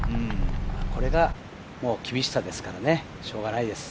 これが厳しさですからねしょうがないです。